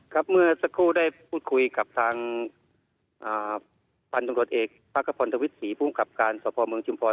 ครับเมื่อสักครู่ได้พูดคุยกับทางพันธุ์ตำรวจเอกพรรคพลธวิทธิ์ภูมิขับการสภเมืองจิมพร